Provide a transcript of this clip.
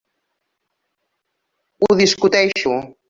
Ho discuteixo.